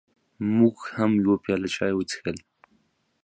موږ هم یوه پیاله چای وڅښلې.